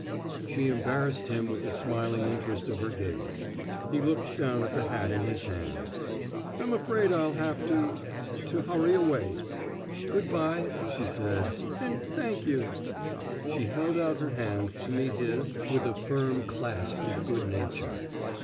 She embarrassed him with the smiling interest of her gaze. He looked down at the hat in his hands. *' I'm afraid I'll have to — to hurry away." 296 NOT FOR PUBLICATION Good by,'* she said, and thank you/' She held ouf her hand to meet his with a firm clasp of good nature.